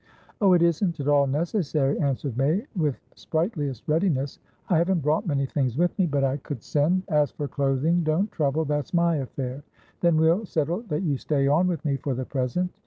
"Oh, it isn't at all necessary," answered May, with sprightliest readiness. "I haven't brought many things with me, but I could send" "As for clothing, don't trouble; that's my affair. Then we'll settle that you stay on with me for the present.